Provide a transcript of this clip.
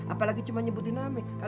apalagi cuma nyebutin namanya